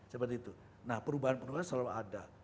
seperti itu nah perubahan perubahan selalu ada